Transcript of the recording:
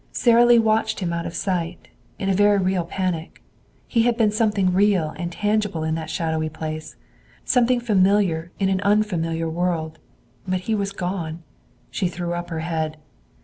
Sara Lee watched him out of sight, in a very real panic. He had been something real and tangible in that shadowy place something familiar in an unfamiliar world. But he was gone. She threw up her head.